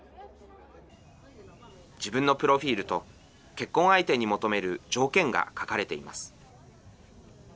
自分のプロフィールと結婚相手に求める条件が書かれています。